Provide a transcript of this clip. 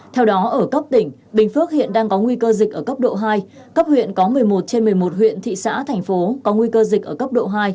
theo đó ở cấp tỉnh bình phước hiện đang có nguy cơ dịch ở cấp độ hai cấp huyện có một mươi một trên một mươi một huyện thị xã thành phố có nguy cơ dịch ở cấp độ hai